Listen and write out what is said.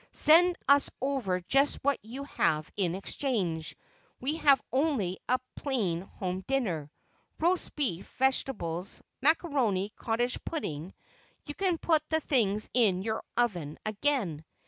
"Send us over just what you have in exchange. We have only a plain home dinner—roast beef, vegetables, macaroni, cottage pudding—you can put the things in your oven again.